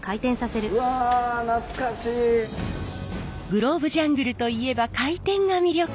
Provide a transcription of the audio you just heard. グローブジャングルといえば回転が魅力。